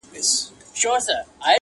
نه نجلۍ یې له فقیره سوای غوښتلای،